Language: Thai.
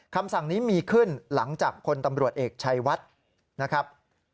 คำสั่งนี้มีขึ้นหลังจากพลตำรวจเอกชัยวัดนะครับ